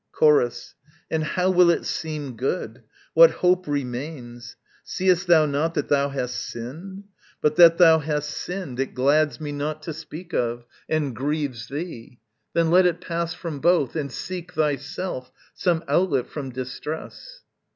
Chorus. And how will it seem good? what hope remains? Seest thou not that thou hast sinned? But that thou hast sinned It glads me not to speak of, and grieves thee: Then let it pass from both, and seek thyself Some outlet from distress.